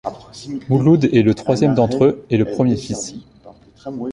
Mouloud est le troisième d'entre eux, et le premier fils.